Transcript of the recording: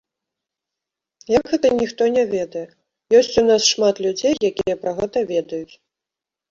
Як гэта ніхто не ведае, ёсць у нас шмат людзей, якія пра гэта ведаюць.